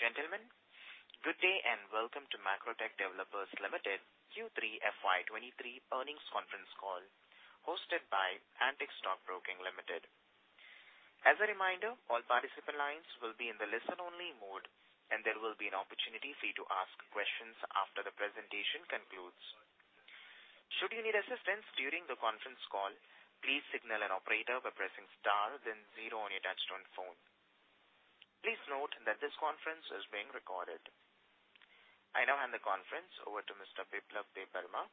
Ladies and gentlemen, good day, and welcome to Macrotech Developers Limited Q3 FY23 earnings conference call hosted by Antique Stock Broking Limited. As a reminder, all participant lines will be in the listen-only mode, and there will be an opportunity for you to ask questions after the presentation concludes. Should you need assistance during the conference call, please signal an operator by pressing star then zero on your touchtone phone. Please note that this conference is being recorded. I now hand the conference over to Mr. Biplab Debbarma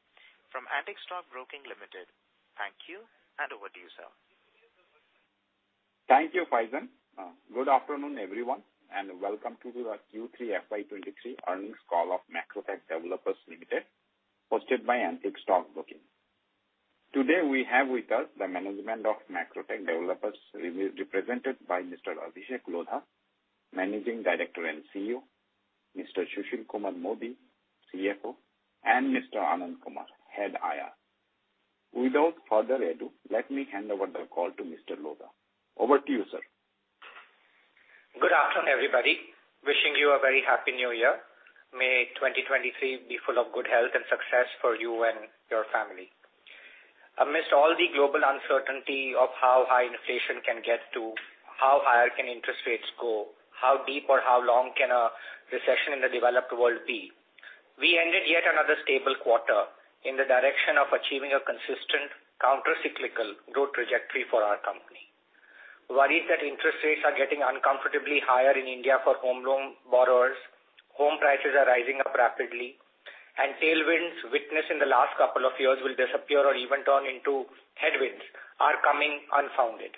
from Antique Stock Broking Limited. Thank you, and over to you, sir. Thank you, Faizan. Good afternoon, everyone, and welcome to the Q3 FY23 earnings call of Macrotech Developers Limited, hosted by Antique Stock Broking Limited. Today, we have with us the management of Macrotech Developers represented by Mr. Abhishek Lodha, Managing Director and CEO, Mr. Sushil Kumar Modi, CFO, and Mr. Anand Kumar, Head IR. Without further ado, let me hand over the call to Mr. Lodha. Over to you, sir. Good afternoon, everybody. Wishing you a very happy New Year. May 2023 be full of good health and success for you and your family. Amidst all the global uncertainty of how high inflation can get to, how higher can interest rates go, how deep or how long can a recession in the developed world be, we ended yet another stable quarter in the direction of achieving a consistent countercyclical growth trajectory for our company. Worries that interest rates are getting uncomfortably higher in India for home loan borrowers, home prices are rising up rapidly, and tailwinds witnessed in the last couple of years will disappear or even turn into headwinds are coming unfounded.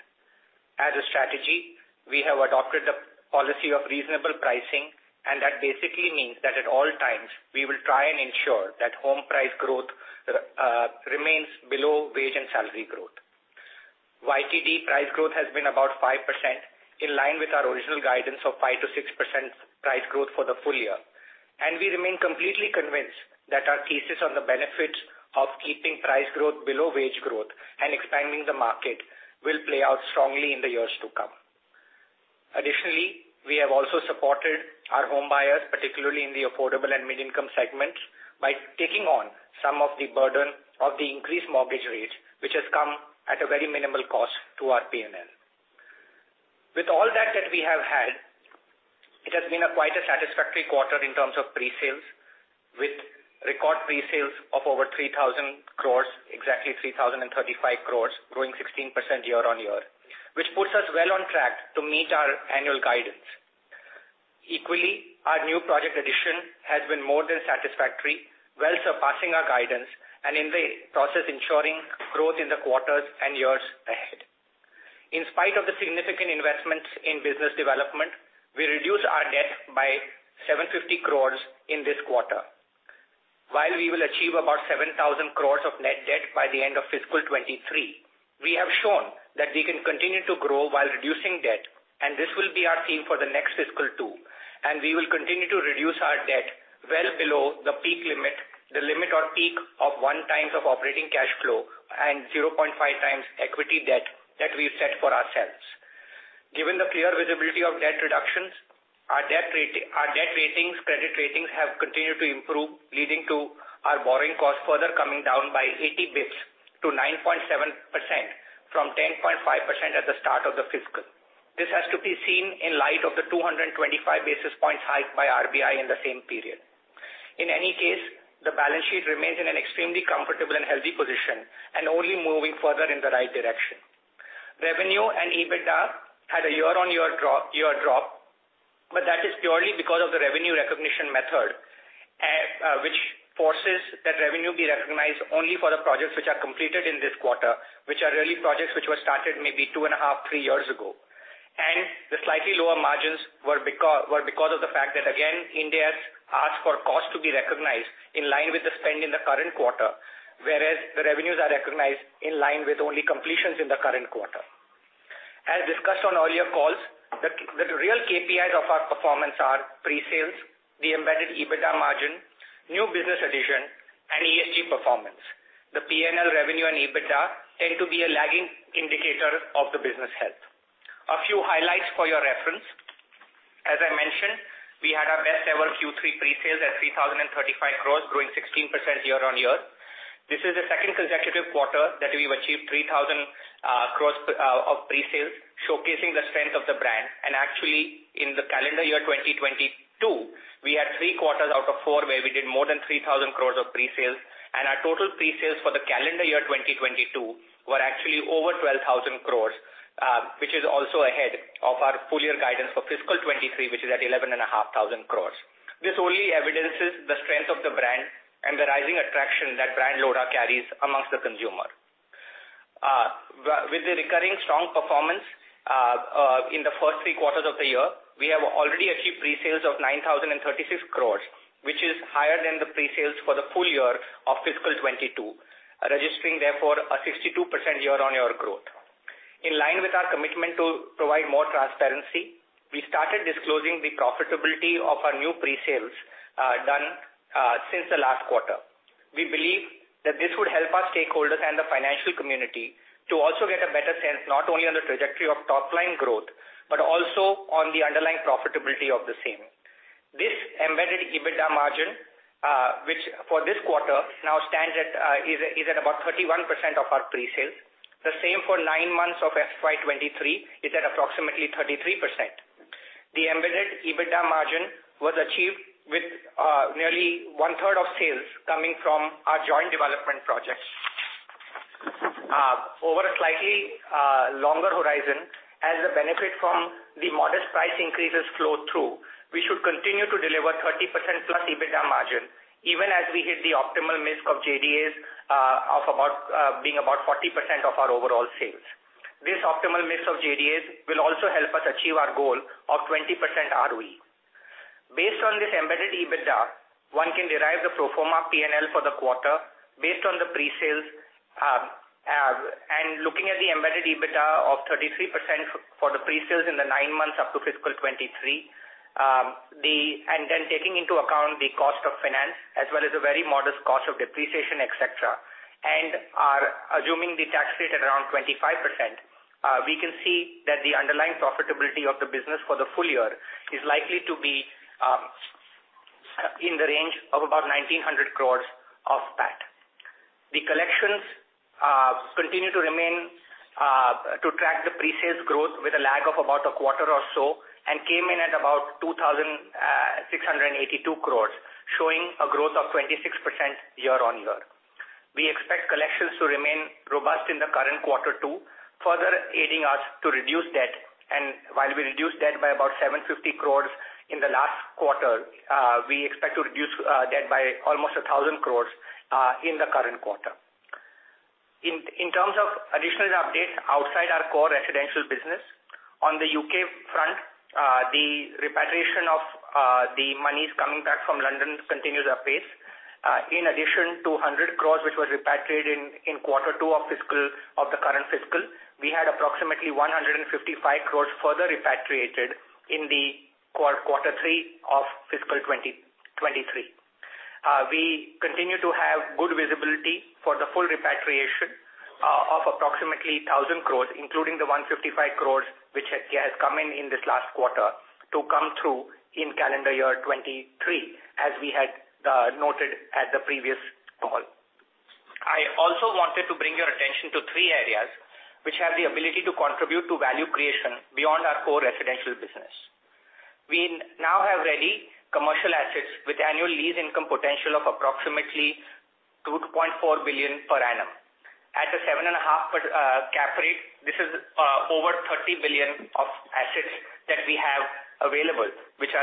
As a strategy, we have adopted the policy of reasonable pricing, that basically means that at all times we will try and ensure that home price growth remains below wage and salary growth. YTD price growth has been about 5% in line with our original guidance of 5%-6% price growth for the full year. We remain completely convinced that our thesis on the benefits of keeping price growth below wage growth and expanding the market will play out strongly in the years to come. Additionally, we have also supported our home buyers, particularly in the affordable and mid-income segments, by taking on some of the burden of the increased mortgage rate, which has come at a very minimal cost to our P&L. With all that that we have had, it has been a quite a satisfactory quarter in terms of pre-sales, with record pre-sales of over 3,000 crores, exactly 3,035 crores, growing 16% year-on-year, which puts us well on track to meet our annual guidance. Equally, our new project addition has been more than satisfactory, well surpassing our guidance and in the process ensuring growth in the quarters and years ahead. In spite of the significant investments in business development, we reduced our debt by 750 crores in this quarter. While we will achieve about 7,000 crores of net debt by the end of fiscal 2023, we have shown that we can continue to grow while reducing debt, and this will be our theme for the next fiscal too. We will continue to reduce our debt well below the peak limit, the limit or peak of 1x of operating cash flow and 0.5x equity debt that we've set for ourselves. Given the clear visibility of debt reductions, our debt ratings, credit ratings have continued to improve, leading to our borrowing costs further coming down by 80 basis points to 9.7% from 10.5% at the start of the fiscal. This has to be seen in light of the 225 basis points hike by RBI in the same period. The balance sheet remains in an extremely comfortable and healthy position and only moving further in the right direction. Revenue and EBITDA had a year-on-year drop, but that is purely because of the revenue recognition method, which forces that revenue be recognized only for the projects which are completed in this quarter, which are really projects which were started maybe two and a half, three years ago. The slightly lower margins were because of the fact that again Ind AS for cost to be recognized in line with the spend in the current quarter, whereas the revenues are recognized in line with only completions in the current quarter. As discussed on earlier calls, the real KPIs of our performance are pre-sales, the embedded EBITDA margin, new business addition, and ESG performance. The P&L revenue and EBITDA tend to be a lagging indicator of the business health. A few highlights for your reference. As I mentioned, we had our best ever Q3 pre-sales at 3,035 crores, growing 16% year-on-year. This is the second consecutive quarter that we've achieved 3,000 crores of pre-sales, showcasing the strength of the brand. Actually, in the calendar year 2022, we had three quarters out of four where we did more than 3,000 crores of pre-sales. Our total pre-sales for the calendar year 2022 were actually over 12,000 crores, which is also ahead of our full year guidance for fiscal 2023, which is at 11,500 crores. This only evidences the strength of the brand and the rising attraction that brand Lodha carries amongst the consumer. With the recurring strong performance in the first three quarters of the year, we have already achieved pre-sales of 9,036 crores, which is higher than the pre-sales for the full year of fiscal 2022, registering therefore a 62% year-on-year growth. In line with our commitment to provide more transparency, we started disclosing the profitability of our new pre-sales done since the last quarter. We believe that this would help our stakeholders and the financial community to also get a better sense, not only on the trajectory of top line growth, but also on the underlying profitability of the same. This embedded EBITDA margin, which for this quarter now stands at is at about 31% of our pre-sales. The same for nine months of FY 2023 is at approximately 33%. The embedded EBITDA margin was achieved with nearly 1/3 of sales coming from our joint development projects. Over a slightly longer horizon as a benefit from the modest price increases flow through, we should continue to deliver 30%+ EBITDA margin, even as we hit the optimal mix of JDs, being about 40% of our overall sales. This optimal mix of JDs will also help us achieve our goal of 20% ROE. Based on this embedded EBITDA, one can derive the pro forma P&L for the quarter based on the pre-sales. Looking at the embedded EBITDA of 33% for the pre-sales in the nine months up to fiscal 2023. Taking into account the cost of finance as well as a very modest cost of depreciation, et cetera, and are assuming the tax rate at around 25%, we can see that the underlying profitability of the business for the full year is likely to be in the range of about 1,900 crores of PAT. The collections continue to remain to track the pre-sales growth with a lag of about a quarter or so, and came in at about 2,682 crores, showing a growth of 26% year-on-year. We expect collections to remain robust in the current quarter too, further aiding us to reduce debt. While we reduce debt by about 750 crores in the last quarter, we expect to reduce debt by almost 1,000 crores in the current quarter. In terms of additional updates outside our core residential business. On the U.K. front, the repatriation of the monies coming back from London continues apace. In addition to 100 crores, which was repatriated in quarter two of the current fiscal, we had approximately 155 crores further repatriated in quarter three of fiscal 2023. We continue to have good visibility for the full repatriation of approximately 1,000 crores, including the 155 crores, which has come in in this last quarter, to come through in calendar year 2023, as we had noted at the previous call. I also wanted to bring your attention to three areas which have the ability to contribute to value creation beyond our core residential business. We now have ready commercial assets with annual lease income potential of approximately 2.4 billion per annum. At a 7.5% cap rate, this is over 30 billion of assets that we have available, which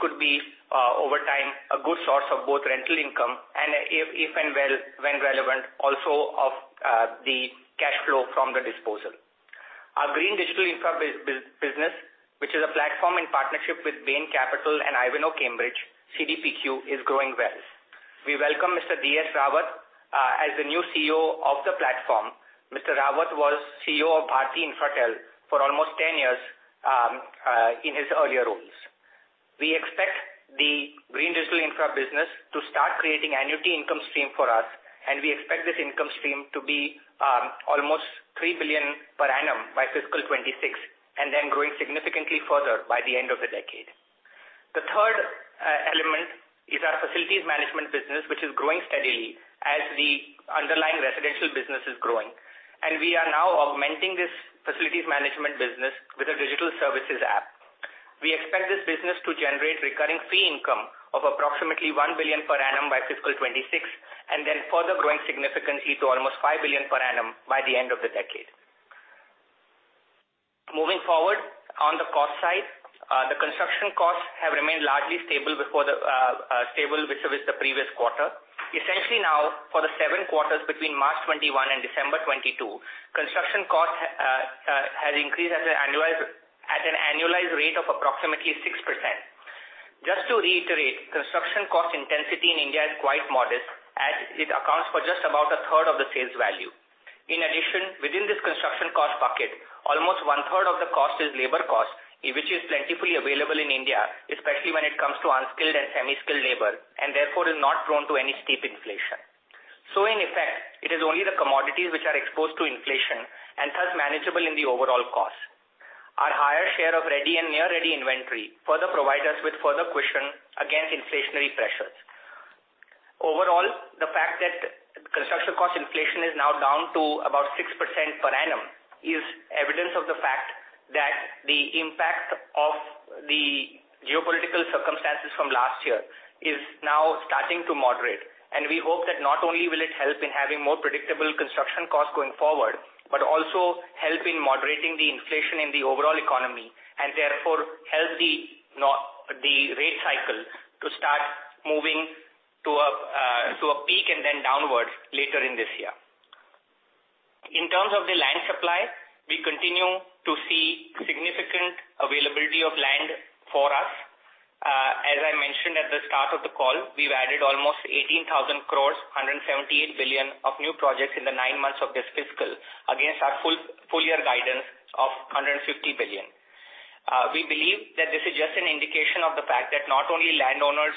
could be over time, a good source of both rental income and if and when relevant, also of the cash flow from the disposal. Our green digital infra business, which is a platform in partnership with Bain Capital and Ivanhoé Cambridge, CDPQ, is growing well. We welcome Mr. DS Rawat as the new CEO of the platform. Mr. Rawat was CEO of Bharti Infratel for almost 10 years in his earlier roles. We expect the Green Digital Infra business to start creating annuity income stream for us, and we expect this income stream to be almost 3 billion per annum by fiscal 2026, and then growing significantly further by the end of the decade. The third element is our facilities management business, which is growing steadily as the underlying residential business is growing. We are now augmenting this facilities management business with a digital services app. We expect this business to generate recurring fee income of approximately 1 billion per annum by fiscal 2026, and then further growing significantly to almost 5 billion per annum by the end of the decade. Moving forward on the cost side, the construction costs have remained largely stable vis-à-vis the previous quarter. Essentially now, for the seven quarters between March 2021 and December 2022, construction costs has increased at an annualized rate of approximately 6%. Just to reiterate, construction cost intensity in India is quite modest, as it accounts for just about a third of the sales value. In addition, within this construction cost bucket, almost one third of the cost is labor cost, which is plentifully available in India, especially when it comes to unskilled and semi-skilled labor, and therefore is not prone to any steep inflation. In effect, it is only the commodities which are exposed to inflation and thus manageable in the overall cost. Our higher share of ready and near-ready inventory further provide us with further cushion against inflationary pressures. Overall, the fact that construction cost inflation is now down to about 6% per annum is evidence of the fact that the impact of the geopolitical circumstances from last year is now starting to moderate. We hope that not only will it help in having more predictable construction costs going forward, but also help in moderating the inflation in the overall economy and therefore help the rate cycle to start moving to a to a peak and then downwards later in this year. In terms of the land supply, we continue to see significant availability of land for us. As I mentioned at the start of the call, we've added almost 18,000 crores, 178 billion of new projects in the nine months of this fiscal against our full year guidance of 150 billion. We believe that this is just an indication of the fact that not only landowners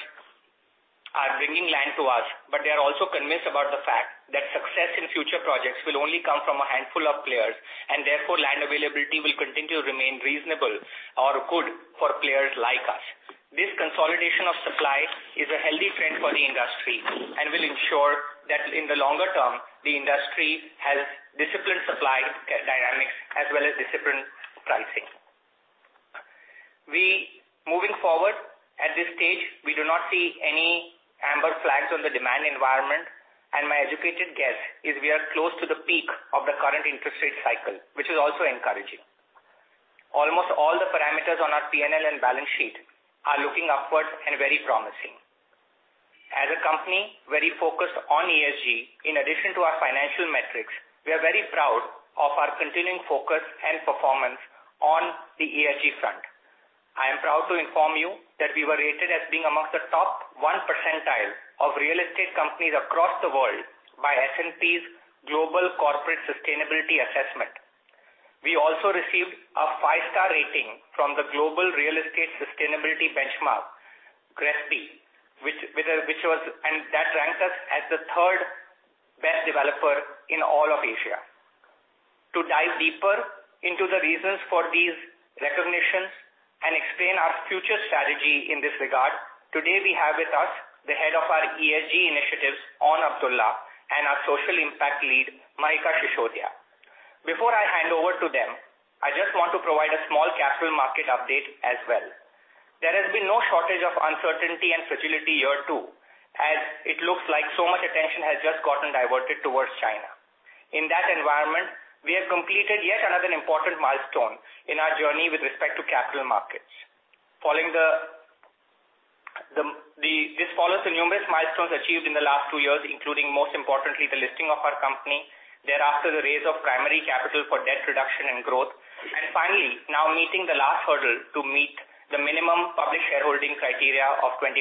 are bringing land to us, but they are also convinced about the fact that success in future projects will only come from a handful of players, and therefore, land availability will continue to remain reasonable or good for players like us. This consolidation of supply is a healthy trend for the industry and will ensure that in the longer term, the industry has disciplined supply dynamics as well as disciplined pricing. Moving forward, at this stage, we do not see any amber flags on the demand environment, and my educated guess is we are close to the peak of the current interest rate cycle, which is also encouraging. Almost all the parameters on our P&L and balance sheet are looking upwards and very promising. As a company very focused on ESG, in addition to our financial metrics, we are very proud of our continuing focus and performance on the ESG front. I am proud to inform you that we were rated as being amongst the top 1 percentile of real estate companies across the world by S&P Global Corporate Sustainability Assessment. We also received a 5-star rating from the Global Real Estate Sustainability Benchmark, GRESB, and that ranks us as the 3rd best developer in all of Asia. To dive deeper into the reasons for these recognitions and explain our future strategy in this regard, today, we have with us the head of our ESG initiatives, Aun Abdullah, and our social impact lead, Mahika Shishodia. Before I hand over to them, I just want to provide a small capital market update as well. There has been no shortage of uncertainty and fragility year two, as it looks like so much attention has just gotten diverted towards China. In that environment, we have completed yet another important milestone in our journey with respect to capital markets. This follows the numerous milestones achieved in the last two years, including, most importantly, the listing of our company. Thereafter, the raise of primary capital for debt reduction and growth. Finally, now meeting the last hurdle to meet the minimum public shareholding criteria of 25%.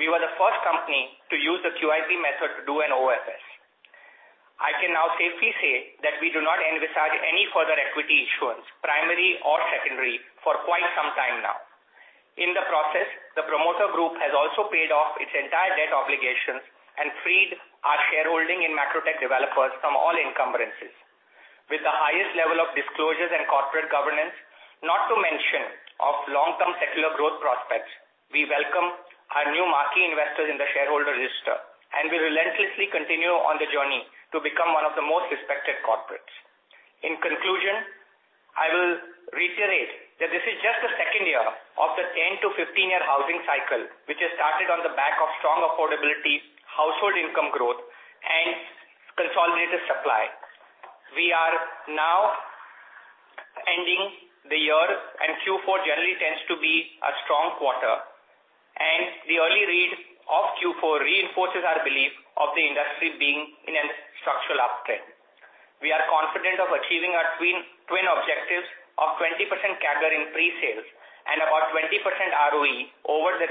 We were the first company to use the QIP method to do an OFS. I can now safely say that we do not envisage any further equity issuance, primary or secondary, for quite some time now. In the process, the promoter group has also paid off its entire debt obligations and freed our shareholding in Macrotech Developers from all encumbrances. With the highest level of disclosures and corporate governance, not to mention of long-term secular growth prospects, we welcome our new marquee investors in the shareholder register, and we relentlessly continue on the journey to become one of the most respected corporates. In conclusion, I will reiterate that this is just the second year of the 10-15-year housing cycle, which has started on the back of strong affordability, household income growth, and consolidated supply. We are now ending the year, and Q4 generally tends to be a strong quarter, and the early read of Q4 reinforces our belief of the industry being in a structural uptrend. We are confident of achieving our twin objectives of 20% CAGR in pre-sales and about 20% ROE over the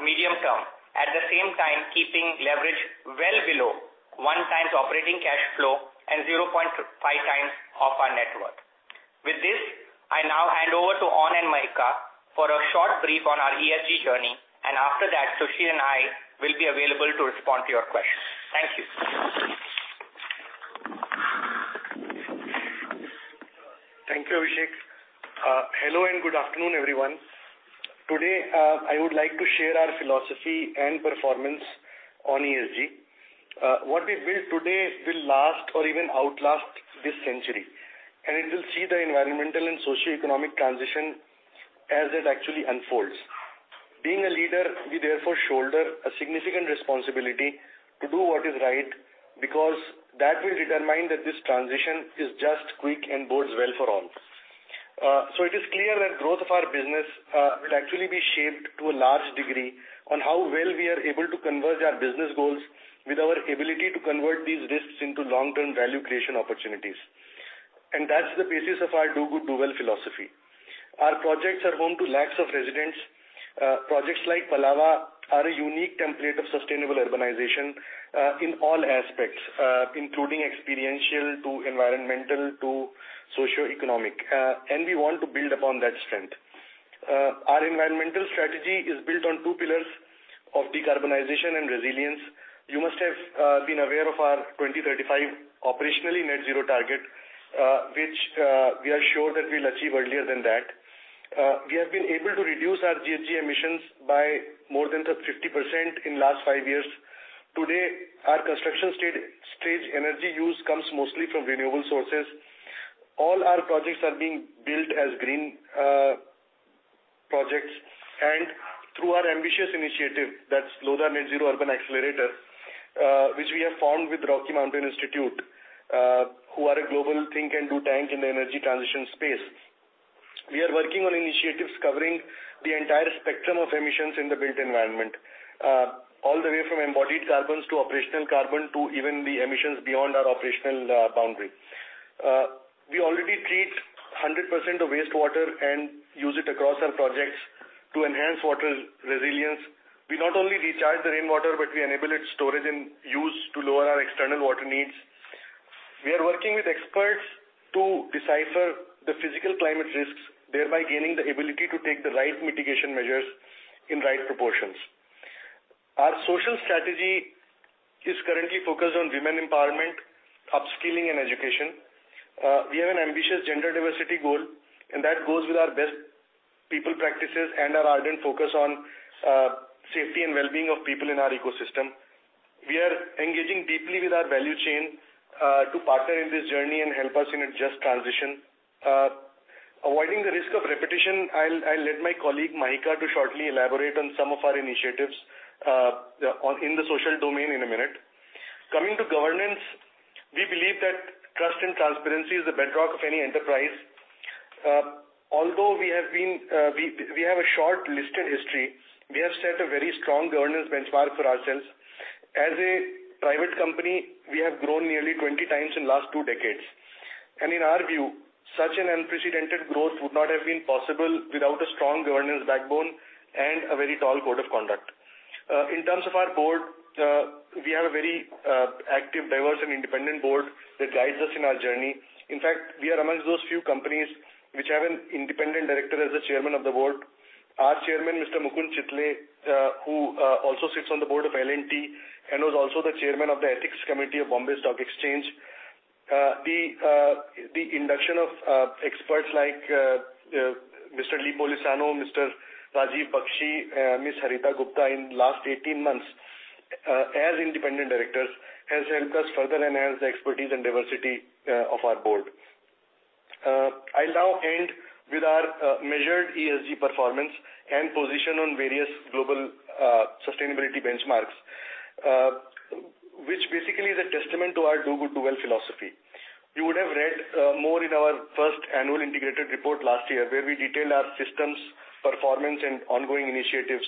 medium term, at the same time keeping leverage well below 1 times operating cash flow and 0.5x of our net worth. With this, I now hand over to Aun and Mahika for a short brief on our ESG journey. After that, Sushil and I will be available to respond to your questions. Thank you. Thank you, Abhishek. Hello, and good afternoon, everyone. Today, I would like to share our philosophy and performance on ESG. What we build today will last or even outlast this century, and it will see the environmental and socioeconomic transition as it actually unfolds. Being a leader, we therefore shoulder a significant responsibility to do what is right because that will determine that this transition is just quick and bodes well for all. It is clear that growth of our business will actually be shaped to a large degree on how well we are able to converge our business goals with our ability to convert these risks into long-term value creation opportunities. That's the basis of our Do Good, Do Well philosophy. Our projects are home to lakhs of residents. Projects like Palava are a unique template of sustainable urbanization in all aspects, including experiential to environmental to socioeconomic. We want to build upon that strength. Our environmental strategy is built on two pillars of decarbonization and resilience. You must have been aware of our 2035 operationally net zero target, which we are sure that we'll achieve earlier than that. We have been able to reduce our GHG emissions by more than 50% in last five years. Today, our construction stage energy use comes mostly from renewable sources. All our projects are being built as green projects. Through our ambitious initiative, that's Lodha Net Zero Urban Accelerator, which we have formed with Rocky Mountain Institute, who are a global think-and-do tank in the energy transition space. We are working on initiatives covering the entire spectrum of emissions in the built environment, all the way from embodied carbons to operational carbon to even the emissions beyond our operational boundary. We already treat 100% of wastewater and use it across our projects to enhance water resilience. We not only recharge the rainwater, but we enable its storage and use to lower our external water needs. We are working with experts to decipher the physical climate risks, thereby gaining the ability to take the right mitigation measures in right proportions. Our social strategy is currently focused on women empowerment, upskilling, and education. We have an ambitious gender diversity goal, and that goes with our best people practices and our ardent focus on safety and well-being of people in our ecosystem. We are engaging deeply with our value chain to partner in this journey and help us in a just transition. Avoiding the risk of repetition, I'll let my colleague, Mahika, to shortly elaborate on some of our initiatives in the social domain in a minute. Coming to governance, we believe that trust and transparency is the bedrock of any enterprise. Although we have been, we have a short listed history, we have set a very strong governance benchmark for ourselves. As a private company, we have grown nearly 20xin last 2 decades. In our view, such an unprecedented growth would not have been possible without a strong governance backbone and a very tall code of conduct. In terms of our board, we have a very active, diverse and independent board that guides us in our journey. We are amongst those few companies which have an Independent Director as the chairman of the board. Our Chairman, Mr. Mukund Chitale, who also sits on the board of L&T and was also the chairman of the Ethics Committee of Bombay Stock Exchange. The induction of experts like Mr. Lee Polisano, Mr. Rajeev Bakshi, Ms. Harita Gupta in last 18 months, as Independent Directors has helped us further enhance the expertise and diversity of our board. I'll now end with our measured ESG performance and position on various global sustainability benchmarks, which basically is a testament to our Do Good, Do Well philosophy. You would have read more in our first annual integrated report last year where we detailed our systems, performance and ongoing initiatives.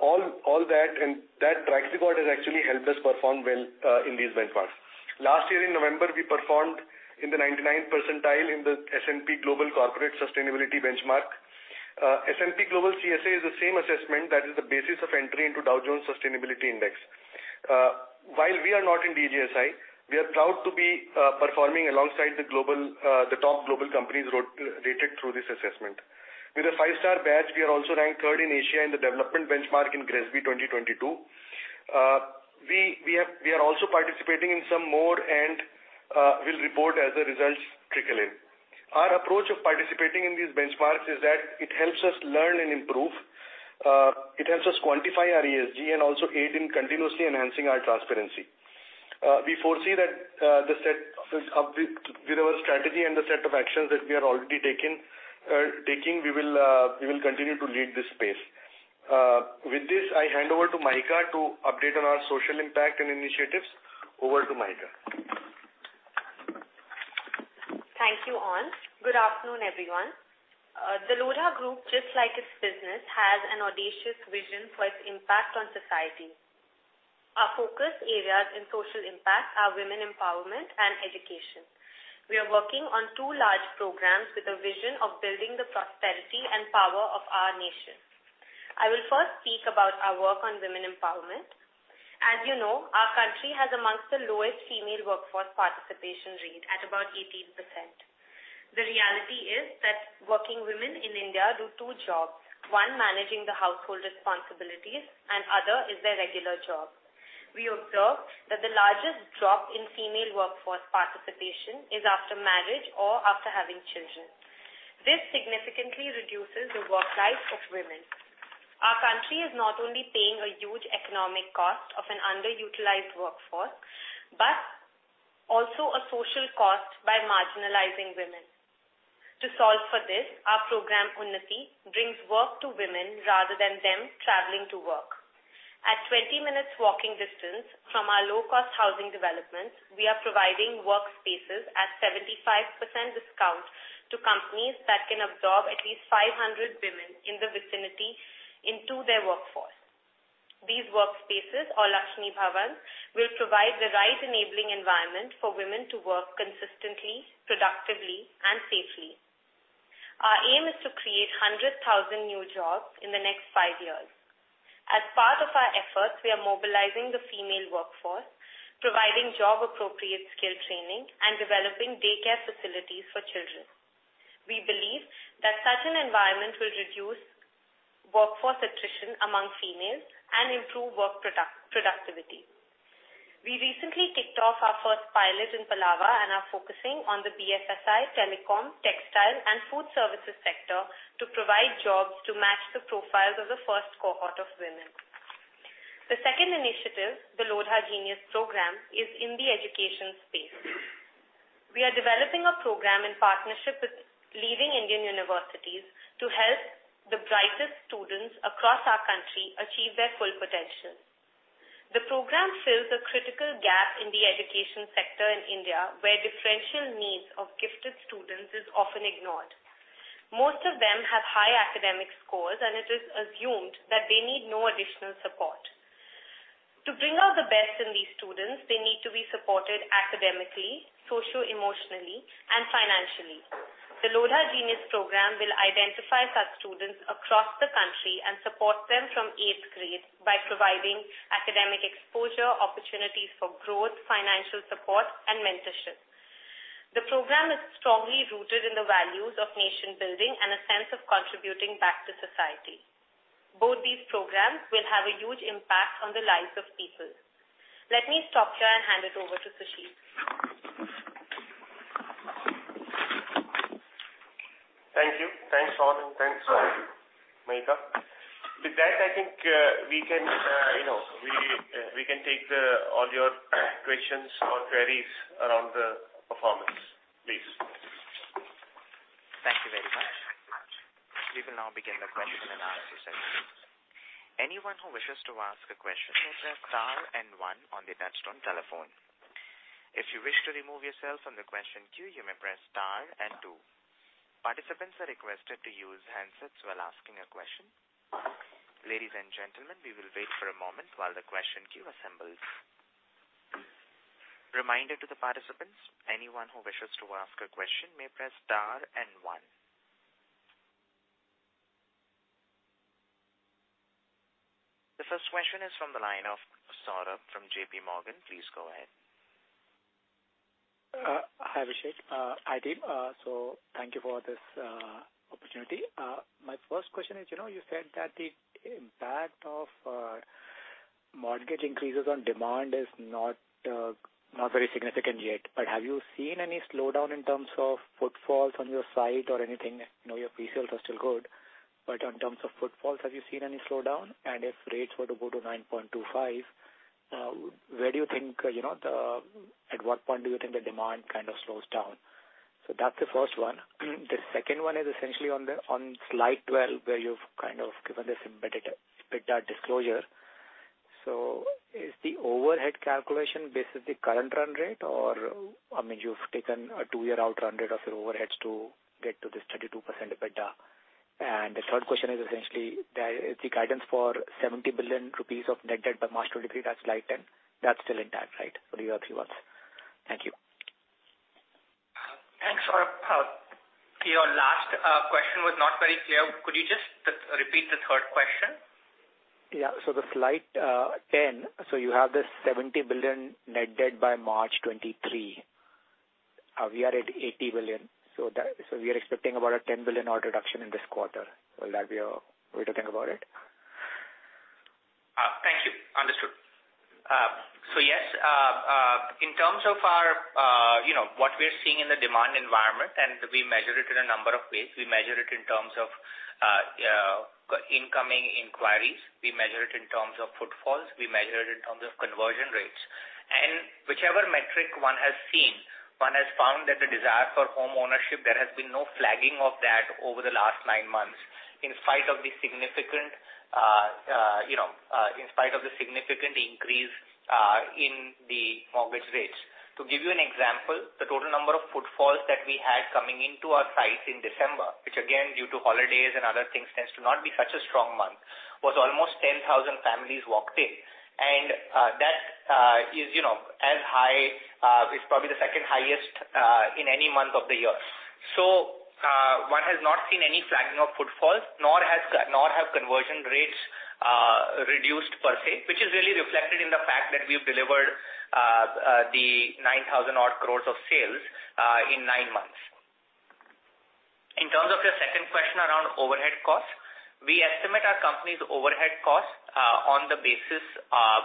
All that and that track record has actually helped us perform well in these benchmarks. Last year in November, we performed in the 99 percentile in the S&P Global Corporate Sustainability Benchmark. S&P Global CSA is the same assessment that is the basis of entry into Dow Jones Sustainability Index. While we are not in DJSI, we are proud to be performing alongside the global, the top global companies rated through this assessment. With a 5-star badge, we are also ranked 3rd in Asia in the development benchmark in GRESB 2022. We are also participating in some more and will report as the results trickle in. Our approach of participating in these benchmarks is that it helps us learn and improve, it helps us quantify our ESG and also aid in continuously enhancing our transparency. We foresee that with our strategy and the set of actions that we are already taken, taking, we will continue to lead this space. With this, I hand over to Mahika to update on our social impact and initiatives. Over to Mahika. Thank you, Aun. Good afternoon, everyone. The Lodha Group, just like its business, has an audacious vision for its impact on society. Our focus areas in social impact are women empowerment and education. We are working on two large programs with a vision of building the prosperity and power of our nation. I will first speak about our work on women empowerment. As you know, our country has amongst the lowest female workforce participation rate at about 18%. The reality is that working women in India do two jobs. One, managing the household responsibilities, and other is their regular job. We observed that the largest drop in female workforce participation is after marriage or after having children. This significantly reduces the work life of women. Our country is not only paying a huge economic cost of an underutilized workforce, but also a social cost by marginalizing women. To solve for this, our program, Unnati, brings work to women rather than them traveling to work. At 20 minutes walking distance from our low-cost housing developments, we are providing workspaces at 75% discount to companies that can absorb at least 500 women in the vicinity into their workforce. These workspaces, or Lakshmi Bhavan, will provide the right enabling environment for women to work consistently, productively, and safely. Our aim is to create 100,000 new jobs in the next five years. As part of our efforts, we are mobilizing the female workforce, providing job appropriate skill training, and developing daycare facilities for children. We believe that such an environment will reduce workforce attrition among females and improve work productivity. We recently kicked off our first pilot in Palava and are focusing on the BFSI, telecom, textile, and food services sector to provide jobs to match the profiles of the first cohort of women. The second initiative, the Lodha Genius Program, is in the education space. We are developing a program in partnership with leading Indian universities to help the brightest students across our country achieve their full potential. The program fills a critical gap in the education sector in India, where differential needs of gifted students is often ignored. Most of them have high academic scores, and it is assumed that they need no additional support. To bring out the best in these students, they need to be supported academically, socio-emotionally, and financially. The Lodha Genius Program will identify such students across the country and support them from eighth grade by providing academic exposure, opportunities for growth, financial support, and mentorship. The program is strongly rooted in the values of nation building and a sense of contributing back to society. Both these programs will have a huge impact on the lives of people. Let me stop here and hand it over to Ashish. Thank you. Thanks all. Thanks, Mahika. With that, I think, you know, we can take all your questions or queries around the performance, please. Thank you very much. We will now begin the question and answer session. Anyone who wishes to ask a question, press star and one on the touchtone telephone. If you wish to remove yourself from the question queue, you may press star and two. Participants are requested to use handsets while asking a question. Ladies and gentlemen, we will wait for a moment while the question queue assembles. Reminder to the participants, anyone who wishes to ask a question may press star and one. The first question is from the line of Saurabh from JPMorgan. Please go ahead. Hi, Abhishek. Adit. Thank you for this opportunity. My first question is, you know, you said that the impact of mortgage increases on demand is not very significant yet. Have you seen any slowdown in terms of footfalls on your site or anything? I know your pre-sales are still good, but in terms of footfalls, have you seen any slowdown? If rates were to go to 9.25%, where do you think, you know, at what point do you think the demand kind of slows down? That's the first one. The second one is essentially on the, on Slide 12, where you've kind of given this embedded EBITDA disclosure. Is the overhead calculation based on the current run rate or, I mean, you've taken a two-year outrun rate of your overheads to get to this 32% EBITDA. The third question is essentially, is the guidance for 70 billion rupees of net debt by March 2023, that's Slide 10. That's still intact, right, for the year three months? Thank you. Thanks, Saurabh. your last question was not very clear. Could you just re-repeat the third question? Yeah. The Slide, 10, so you have this 70 billion net debt by March 2023. We are at 80 billion. We are expecting about a 10 billion odd reduction in this quarter. Will that be your way to think about it? Thank you. Understood. Yes, in terms of our, you know, what we're seeing in the demand environment, we measure it in a number of ways. We measure it in terms of incoming inquiries. We measure it in terms of footfalls. We measure it in terms of conversion rates. Whichever metric one has seen, one has found that the desire for homeownership, there has been no flagging of that over the last nine months, in spite of the significant, you know, in spite of the significant increase in the mortgage rates. To give you an example, the total number of footfalls that we had coming into our sites in December, which again, due to holidays and other things tends to not be such a strong month, was almost 10,000 families walked in. That is, you know, as high, it's probably the second highest in any month of the year. One has not seen any flagging of footfalls, nor has, nor have conversion rates reduced per se, which is really reflected in the fact that we've delivered the 9,000 odd crores of sales in nine months. In terms of your second question around overhead costs, we estimate our company's overhead costs on the basis of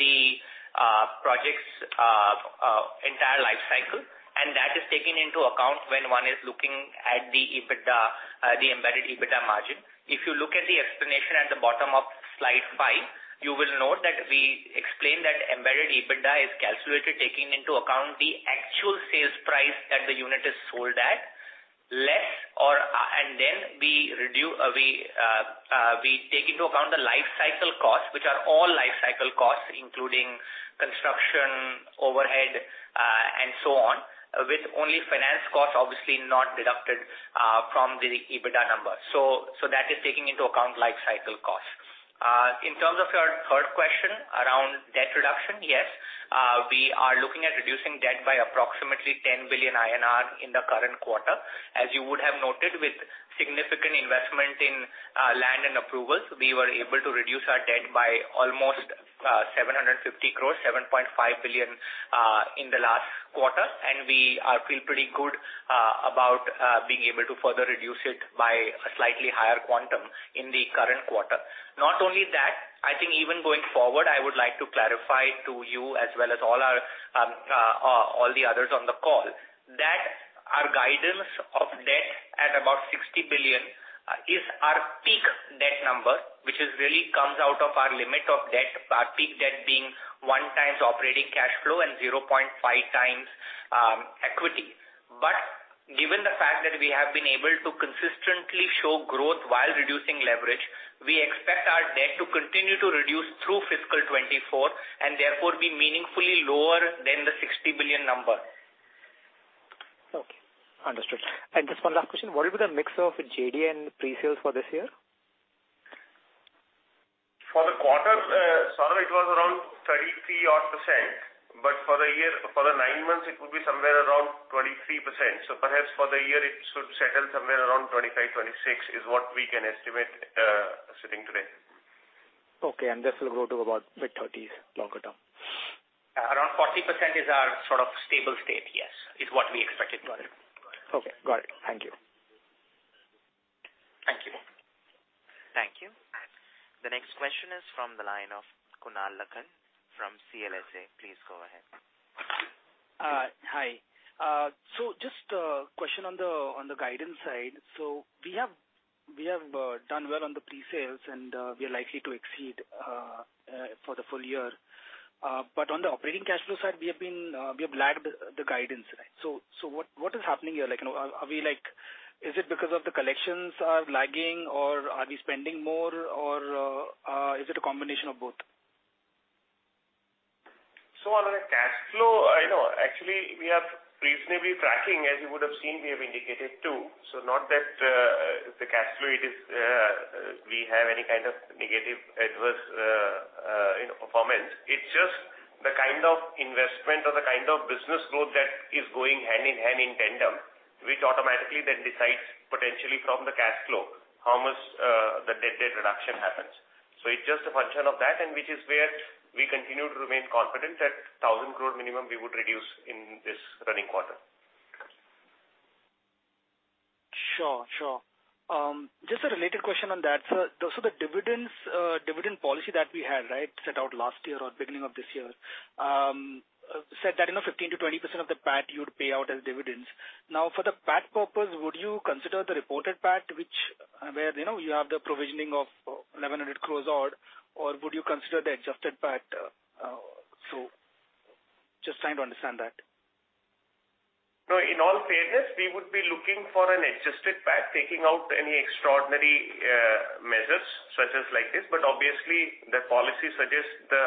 the project's entire life cycle, and that is taken into account when one is looking at the EBITDA, the embedded EBITDA margin. If you look at the explanation at the bottom of Slide 5, you will note that we explain that embedded EBITDA is calculated taking into account the actual sales price that the unit is sold at, less or. Then we take into account the life cycle costs, which are all life cycle costs, including construction, overhead, and so on, with only finance costs obviously not deducted from the EBITDA number. That is taking into account life cycle costs. In terms of your third question around debt reduction, yes, we are looking at reducing debt by approximately 10 billion INR in the current quarter. As you would have noted, with significant investment in land and approvals, we were able to reduce our debt by almost 750 crores, 7.5 billion, in the last quarter. We feel pretty good about being able to further reduce it by a slightly higher quantum in the current quarter. Not only that, I think even going forward, I would like to clarify to you as well as all our all the others on the call that our guidance of debt at about 60 billion is our peak debt number, which is really comes out of our limit of debt. Our peak debt being 1x operating cash flow and 0.5x equity. Given the fact that we have been able to consistently show growth while reducing leverage, we expect our debt to continue to reduce through fiscal 2024 and therefore be meaningfully lower than the 60 billion number. Okay. Understood. Just one last question. What will be the mix of JD and pre-sales for this year? For the quarter, Saurabh, it was around 33 odd %, but for the nine months, it would be somewhere around 23%. Perhaps for the year it should settle somewhere around 25%-26% is what we can estimate, sitting today. Okay. This will go to about mid-30s longer term. Around 40% is our sort of stable state, yes. Is what we expected. Got it. Okay, got it. Thank you. Thank you. Thank you. The next question is from the line of Kunal Lakhan from CLSA. Please go ahead. Hi. Just a question on the guidance side. We have done well on the pre-sales, and we are likely to exceed for the full year. On the operating cash flow side, we have been, we have lagged the guidance. What is happening here? Like, you know, is it because of the collections are lagging, or are we spending more, or is it a combination of both? On a cash flow, you know, actually we have reasonably tracking, as you would have seen, we have indicated too. Not that the cash flow it is, we have any kind of negative adverse, you know, performance. It's just the kind of investment or the kind of business growth that is going hand-in-hand in tandem, which automatically then decides potentially from the cash flow how much the debt reduction happens. It's just a function of that, and which is where we continue to remain confident that 1,000 crore minimum we would reduce in this running quarter. Sure. Just a related question on that. The dividends, dividend policy that we had, right, set out last year or beginning of this year, said that, you know, 15%-20% of the PAT you'd pay out as dividends. For the PAT purpose, would you consider the reported PAT which where, you know, you have the provisioning of 1,100 crores odd, or would you consider the adjusted PAT? Just trying to understand that. No, in all fairness, we would be looking for an adjusted PAT taking out any extraordinary measures such as like this. Obviously, the policy suggests the,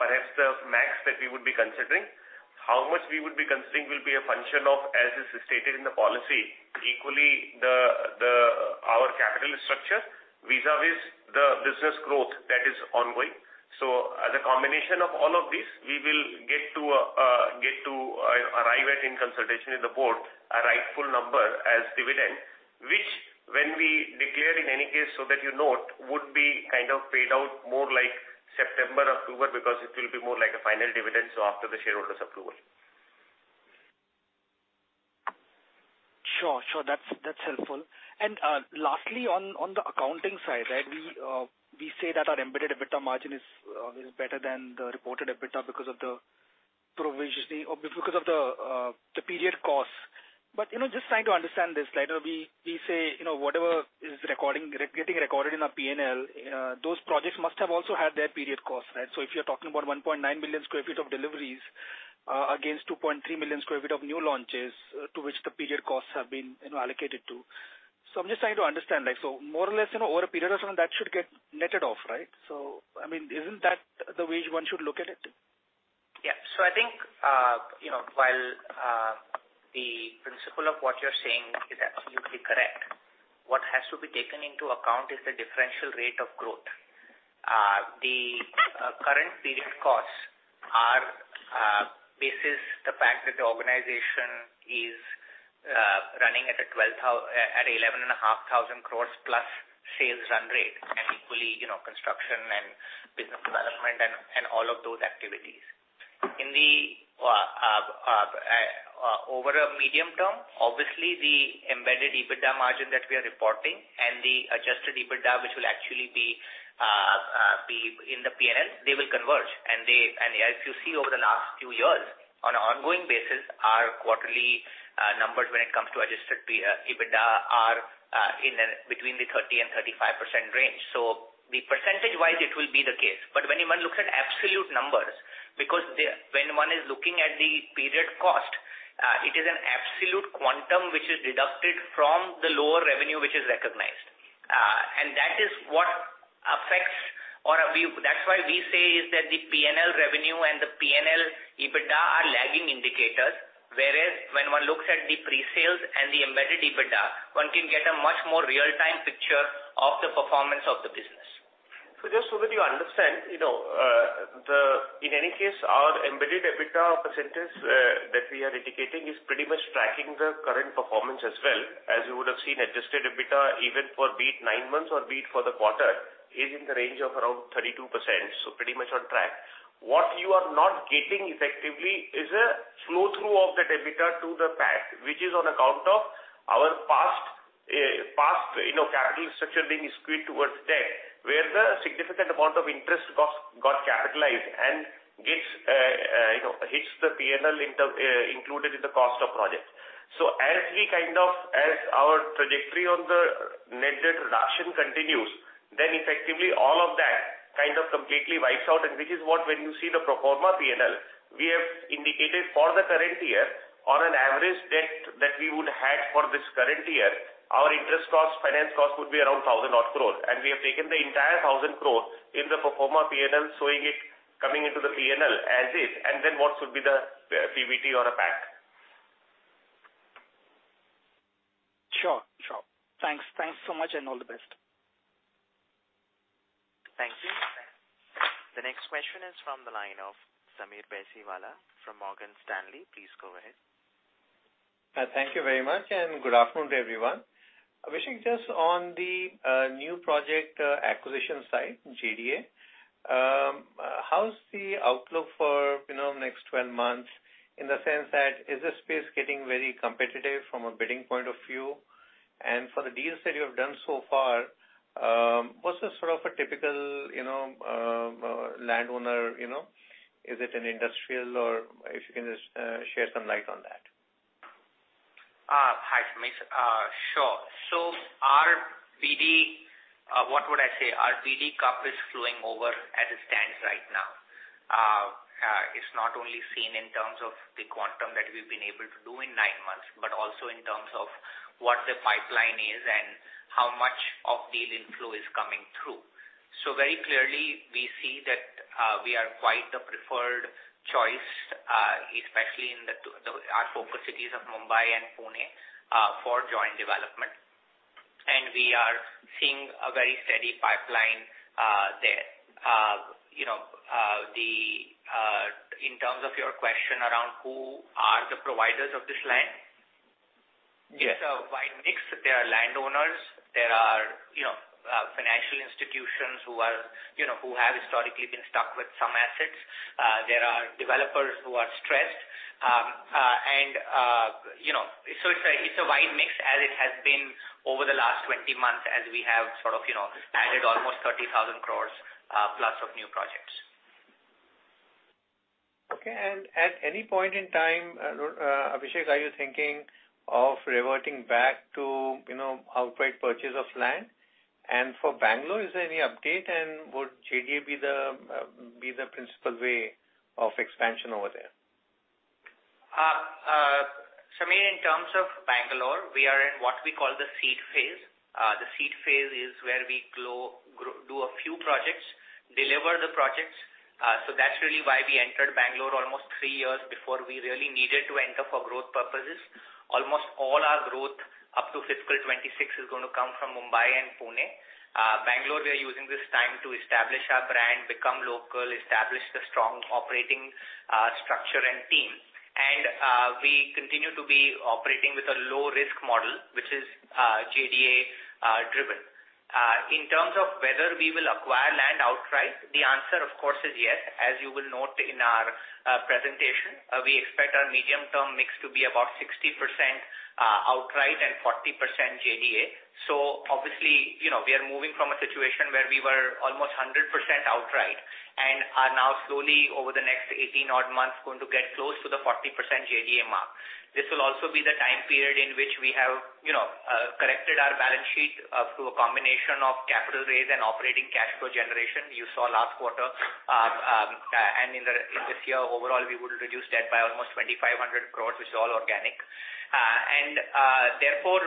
perhaps the max that we would be considering. How much we would be considering will be a function of, as is stated in the policy, equally our capital structure vis-a-vis the business growth that is ongoing. As a combination of all of this, we will get to arrive at in consultation in the board a rightful number as dividend, which when we declare in any case, so that you note, would be kind of paid out more like September, October, because it will be more like a final dividend, so after the shareholders' approval. Sure. That's helpful. Lastly on the accounting side, right, we say that our embedded EBITDA margin is better than the reported EBITDA because of the provisioning or because of the period costs. You know, just trying to understand this, right. We say, you know, whatever is recording, getting recorded in our P&L, those projects must have also had their period costs, right? If you're talking about 1.9 million sq ft of deliveries against 2.3 million sq ft of new launches to which the period costs have been, you know, allocated to. I'm just trying to understand, like, more or less, you know, over a period of time, that should get netted off, right? I mean, isn't that the way one should look at it? I think, you know, while the principle of what you're saying is absolutely correct, what has to be taken into account is the differential rate of growth. The current period costs are basis the fact that the organization is running at a 11.5 thousand crores plus sales run rate and equally, you know, construction and business development and all of those activities. Over a medium term, obviously the embedded EBITDA margin that we are reporting and the Adjusted EBITDA, which will actually be in the P&L, they will converge. As you see over the last two years on an ongoing basis, our quarterly numbers when it comes to Adjusted EBITDA are in between the 30% and 35% range. The percentage-wise it will be the case. When one looks at absolute numbers, because the, when one is looking at the period cost, it is an absolute quantum which is deducted from the lower revenue which is recognized. That is what affects or that's why we say is that the P&L revenue and the P&L EBITDA are lagging indicators. Whereas when one looks at the pre-sales and the embedded EBITDA, one can get a much more real-time picture of the performance of the business. Just so that you understand, you know, in any case, our embedded EBITDA percentage that we are indicating is pretty much tracking the current performance as well. As you would have seen, adjusted EBITDA even for be it 9 months or be it for the quarter, is in the range of around 32%, pretty much on track. What you are not getting effectively is a flow-through of the EBITDA to the PAT, which is on account of our past, you know, capital structure being skewed towards debt, where the significant amount of interest costs got capitalized and gets, you know, hits the P&L included in the cost of projects. As we kind of, as our trajectory on the net debt reduction continues, then effectively all of that kind of completely wipes out. Which is what when you see the pro forma P&L, we have indicated for the current year on an average debt that we would have for this current year, our interest costs, finance costs would be around 1,000 odd crores. We have taken the entire 1,000 crores in the pro forma P&L, showing it coming into the P&L as is and then what would be the PBT or a PAT. Sure. Sure. Thanks. Thanks so much and all the best. Thank you. The next question is from the line of Sameer Baisiwala from Morgan Stanley. Please go ahead. Thank you very much, and good afternoon to everyone. Abhishek, just on the new project acquisition site, JDA. How's the outlook for, you know, next 12 months in the sense that is this space getting very competitive from a bidding point of view? For the deals that you have done so far, what's the sort of a typical, you know, landowner, you know? Is it an industrial or if you can just share some light on that. Hi, Sameer. Sure. Our BD, what would I say? Our BD cup is flowing over as it stands right now. It's not only seen in terms of the quantum that we've been able to do in nine months, but also in terms of what the pipeline is and how much of deal inflow is coming through. Very clearly we see that we are quite the preferred choice, especially in the two our focus cities of Mumbai and Pune, for joint development. We are seeing a very steady pipeline there. You know, the in terms of your question around who are the providers of this land. Yes. It's a wide mix. There are landowners, there are, you know, financial institutions who are, you know, who have historically been stuck with some assets. There are developers who are stressed. You know, so it's a, it's a wide mix as it has been over the last 20 months as we have sort of, you know, added almost 30,000 crores, plus of new projects. Okay. At any point in time, Abhishek, are you thinking of reverting back to, you know, outright purchase of land? For Bangalore, is there any update and would JDA be the principal way of expansion over there? Sameer, in terms of Bangalore, we are in what we call the seed phase. The seed phase is where we do a few projects, deliver the projects. That's really why we entered Bangalore almost three years before we really needed to enter for growth purposes. Almost all our growth up to fiscal 2026 is gonna come from Mumbai and Pune. Bangalore, we are using this time to establish our brand, become local, establish the strong operating structure and team. We continue to be operating with a low risk model, which is JDA driven. In terms of whether we will acquire land outright, the answer of course is yes. As you will note in our presentation, we expect our medium term mix to be about 60% outright and 40% JDA. obviously, you know, we are moving from a situation where we were almost 100% outright and are now slowly over the next 18 odd months going to get close to the 40% JDA mark. This will also be the time period in which we have, you know, corrected our balance sheet through a combination of capital raise and operating cash flow generation you saw last quarter. And in this year overall, we would reduce debt by almost 2,500 crores, which is all organic. And therefore,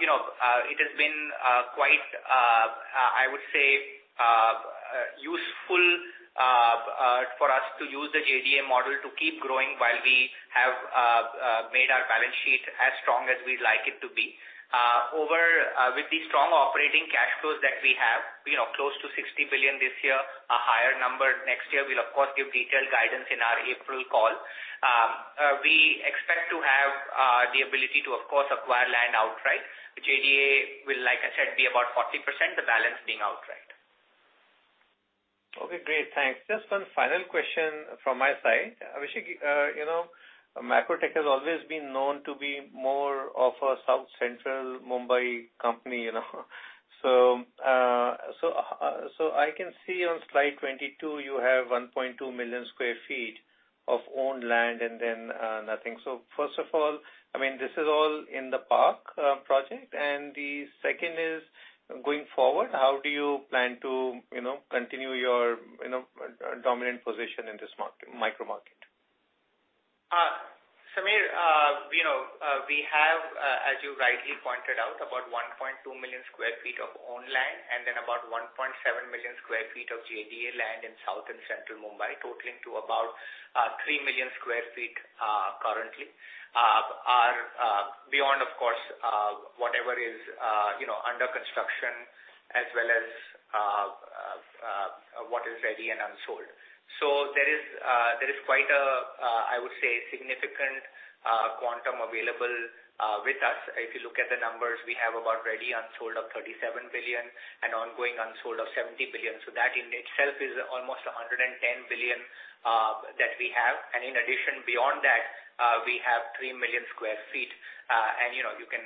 you know, it has been quite, I would say, useful for us to use the JDA model to keep growing while we have made our balance sheet as strong as we'd like it to be. Over with the strong operating cash flows that we have, you know, close to 60 billion this year, a higher number next year. We'll of course give detailed guidance in our April call. We expect to have the ability to of course acquire land outright. The JDA will, like I said, be about 40%, the balance being outright. Okay, great. Thanks. Just one final question from my side. Abhishek, you know, Macrotech has always been known to be more of a South Central Mumbai company, you know? I can see on Slide 22 you have 1.2 million sq ft of owned land and then, nothing. First of all, I mean, this is all in the park project. The second is going forward, how do you plan to, you know, continue your, you know, dominant position in this market, micro market? Sameer, you know, we have, as you rightly pointed out, about 1.2 million sq ft of owned land and then about 1.7 million sq ft of JDA land in South and Central Mumbai, totaling to about 3 million sq ft currently. Beyond of course, whatever is, you know, under construction as well as what is ready and unsold. There is, there is quite a, I would say significant, quantum available with us. If you look at the numbers we have about ready unsold of 37 billion and ongoing unsold of 70 billion. That in itself is almost 110 billion that we have. In addition, beyond that, we have 3 million sq ft. You know, you can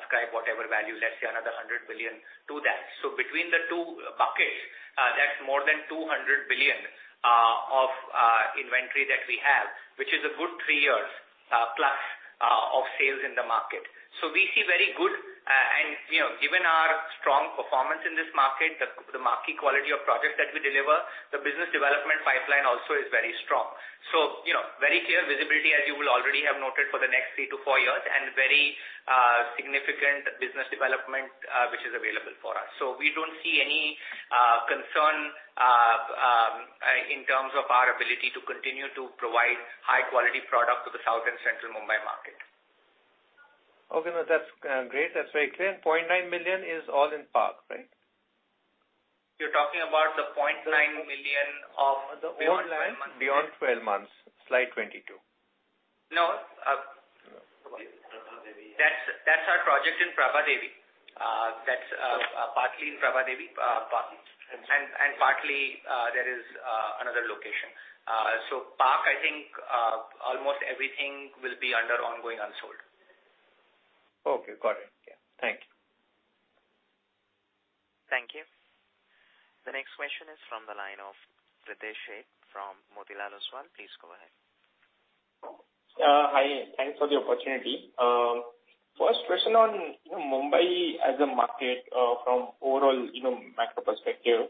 ascribe whatever value, let's say another 100 billion to that. Between the two buckets, that's more than 200 billion of inventory that we have, which is a good three years plus of sales in the market. We see very good, and you know, given our strong performance in this market, the marquee quality of products that we deliver, the business development pipeline also is very strong. You know, very clear visibility as you will already have noted for the next three to four years and very significant business development which is available for us. We don't see any concern in terms of our ability to continue to provide high quality product to the South and Central Mumbai market. Okay. No, that's great. That's very clear. 0.9 million is all in Park, right? You're talking about the 0.9 million. The online beyond 12 months. Slide 22. That's our project in Prabhadevi. That's partly in Prabhadevi, part and partly, there is another location. Park, I think, almost everything will be under ongoing unsold. Okay, got it. Yeah. Thank you. Thank you. The next question is from the line of Pritesh Sheth from Motilal Oswal. Please go ahead. Hi. Thanks for the opportunity. First question on Mumbai as a market, from overall, you know, macro perspective.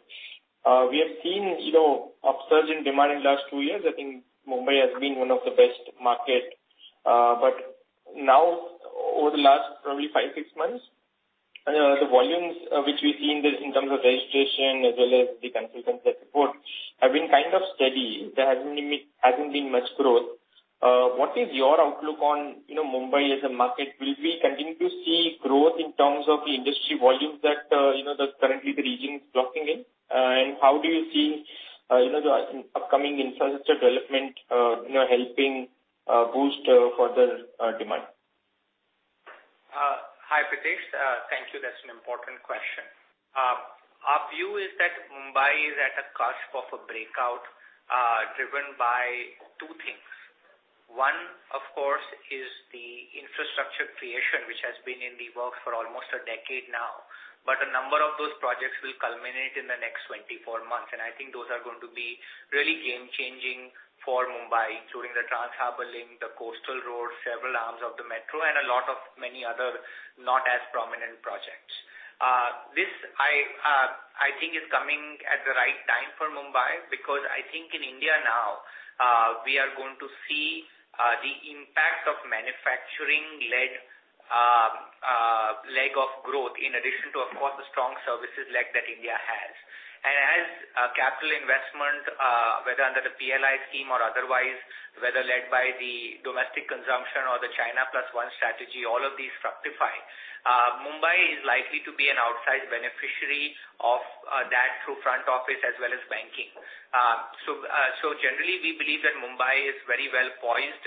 We have seen, you know, upsurge in demand in last two years. I think Mumbai has been one of the best market. But now over the last probably five to six months, the volumes which we've seen this in terms of registration as well as the consultants that support have been kind of steady. There hasn't been much growth. What is your outlook on, you know, Mumbai as a market? Will we continue to see growth in terms of the industry volumes that, you know, the currently the region is locking in? How do you see, you know, the upcoming infrastructure development, you know, helping boost further demand? Hi, Pritesh. Thank you. That's an important question. Our view is that Mumbai is at a cusp of a breakout, driven by two things. One, of course, is the infrastructure creation, which has been in the works for almost a decade now. A number of those projects will culminate in the next 24 months, and I think those are going to be really game changing for Mumbai, including the Trans Harbor Link, the coastal road, several arms of the metro, and a lot of many other not as prominent projects. This I think is coming at the right time for Mumbai, because I think in India now, we are going to see the impact of manufacturing-led leg of growth in addition to, of course, the strong services leg that India has. As capital investment, whether under the PLI scheme or otherwise, whether led by the domestic consumption or the China Plus One strategy, all of these fructify. Mumbai is likely to be an outside beneficiary of that through front office as well as banking. Generally, we believe that Mumbai is very well poised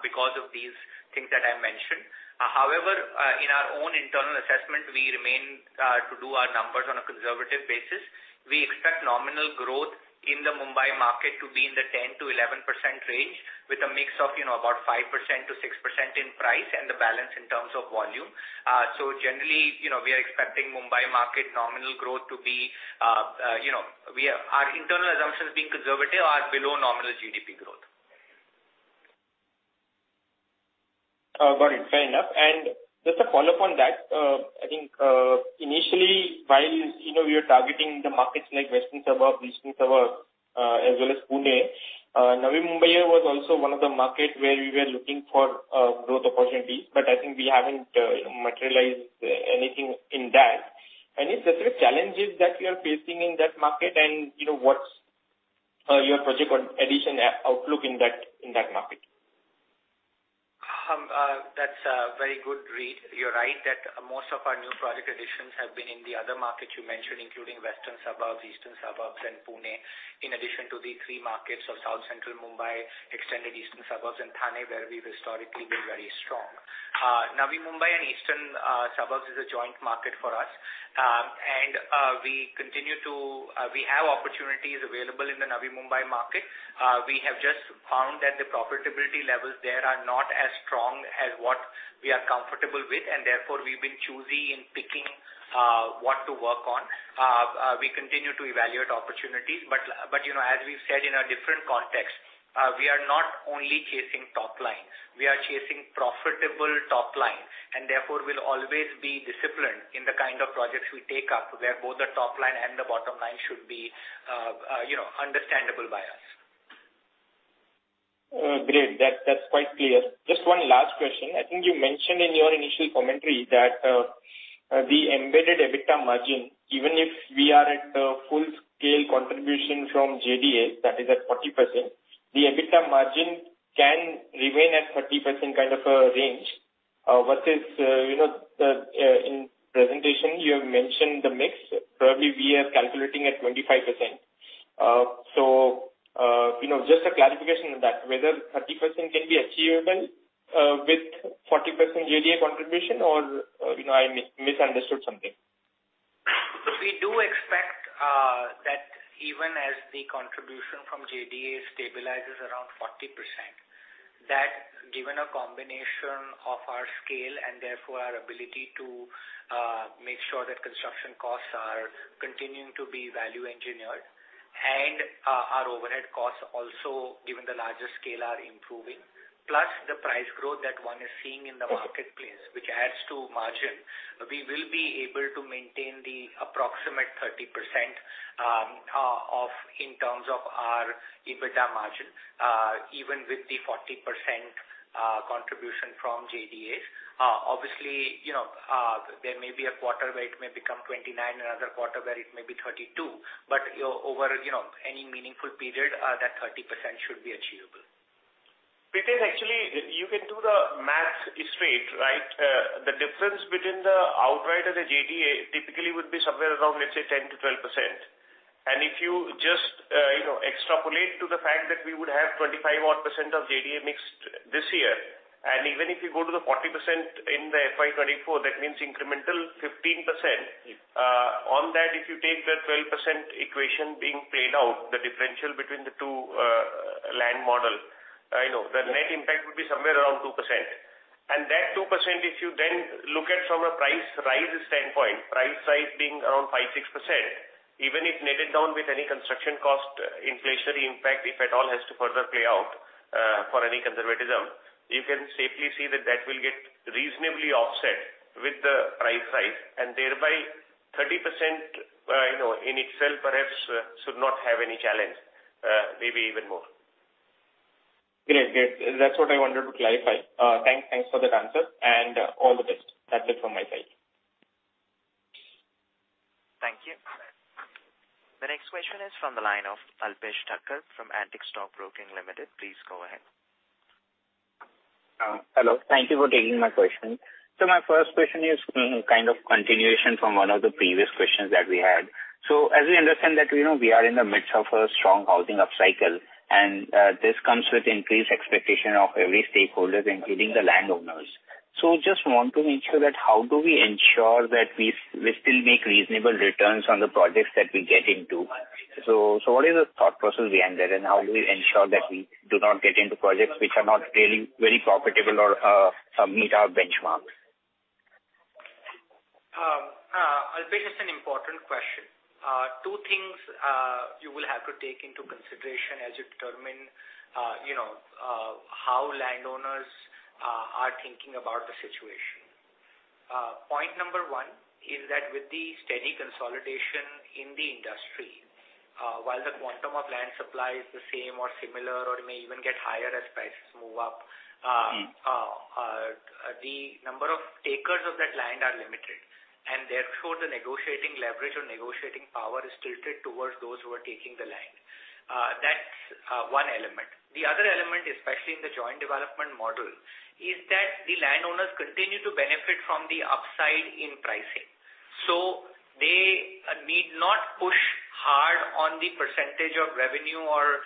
because of these things that I mentioned. However, in our own internal assessment we remain to do our numbers on a conservative basis. We expect nominal growth in the Mumbai market to be in the 10%-11% range, with a mix of, you know, about 5%-6% in price and the balance in terms of volume. Generally, you know, we are expecting Mumbai market nominal growth to be, you know, our internal assumptions being conservative are below nominal GDP growth. Got it. Fair enough. Just a follow-up on that. I think initially, while you know, we were targeting the markets like Western Suburbs, Eastern Suburbs, as well as Pune, Navi Mumbai was also one of the markets where we were looking for growth opportunities. But I think we haven't materialized anything in that. Any specific challenges that you are facing in that market? And you know, what's your project on addition outlook in that, in that market? That's a very good read. You're right that most of our new project additions have been in the other markets you mentioned, including Western Suburbs, Eastern Suburbs and Pune, in addition to the three markets of South Central Mumbai, extended Eastern Suburbs and Thane, where we've historically been very strong. Navi Mumbai and Eastern Suburbs is a joint market for us. We continue to, we have opportunities available in the Navi Mumbai market. We have just found that the profitability levels there are not as strong as what we are comfortable with, and therefore we've been choosy in picking what to work on. We continue to evaluate opportunities. You know, as we've said in a different context, we are not only chasing top line, we are chasing profitable top line and therefore will always be disciplined in the kind of projects we take up, where both the top line and the bottom line should be, you know, understandable by us. Great. That's quite clear. Just one last question. I think you mentioned in your initial commentary that the embedded EBITDA margin, even if we are at full scale contribution from JDA, that is at 40%, the EBITDA margin can remain at 30% kind of a range. Versus, you know, the in presentation you have mentioned the mix, probably we are calculating at 25%. You know, just a clarification on that, whether 30% can be achievable with 40% JDA contribution or, you know, I misunderstood something. We do expect that even as the contribution from JDA stabilizes around 40%, that given a combination of our scale and therefore our ability to make sure that construction costs are continuing to be value engineered and our overhead costs also given the larger scale are improving, plus the price growth that one is seeing in the marketplace which adds to margin, we will be able to maintain the approximate 30% in terms of our EBITDA margin even with the 40% contribution from JDAs. Obviously, you know, there may be a quarter where it may become 29, another quarter where it may be 32. Over, you know, any meaningful period, that 30% should be achievable. Pritesh, actually, you can do the math straight, right? The difference between the outright and the JDA typically would be somewhere around, let's say 10%-12%. If you just, you know, extrapolate to the fact that we would have 25% odd of JDA mixed this year, and even if you go to the 40% in the FY 2024, that means incremental 15%. Yes. On that, if you take the 12% equation being played out, the differential between the two land model, I know the net impact would be somewhere around 2%. That 2%, if you then look at from a price rise standpoint, price rise being around 5%-6%, even if netted down with any construction cost inflationary impact, if at all, has to further play out for any conservatism, you can safely say that that will get reasonably offset with the price rise and thereby 30% you know, in itself perhaps should not have any challenge, maybe even more. Great. Great. That's what I wanted to clarify. thanks for that answer and all the best. That's it from my side. Thank you. The next question is from the line of Alpesh Thacker from Antique Stock Broking Limited. Please go ahead. Hello. Thank you for taking my question. My first question is kind of continuation from one of the previous questions that we had. As we understand that, you know, we are in the midst of a strong housing upcycle, and this comes with increased expectation of every stakeholder, including the landowners. Just want to make sure that how do we ensure that we still make reasonable returns on the projects that we get into. What is the thought process behind that, and how do we ensure that we do not get into projects which are not really very profitable or meet our benchmarks? Alpesh, it's an important question. Two things, you will have to take into consideration as you determine, you know, how landowners are thinking about the situation. Point number one is that with the steady consolidation in the industry, while the quantum of land supply is the same or similar or may even get higher as prices move up, the number of takers of that land are limited. Therefore, the negotiating leverage or negotiating power is tilted towards those who are taking the land. That's one element. The other element, especially in the joint development model, is that the landowners continue to benefit from the upside in pricing. They need not push hard on the percentage of revenue or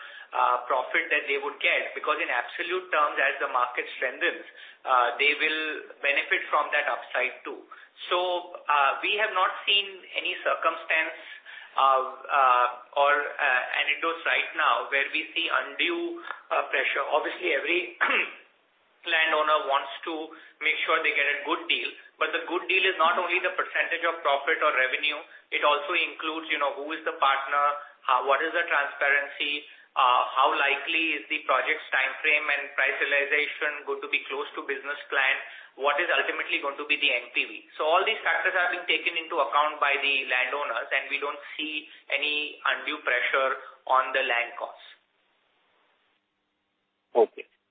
profit that they would get, because in absolute terms, as the market strengthens, they will benefit from that upside too. We have not seen any circumstance of or anecdotes right now where we see undue pressure. Obviously, every landowner wants to make sure they get a good deal. The good deal is not only the percentage of profit or revenue, it also includes, you know, who is the partner, what is the transparency, how likely is the project's timeframe and price realization going to be close to business plan? What is ultimately going to be the NPV? All these factors are being taken into account by the landowners, and we don't see any undue pressure on the land costs.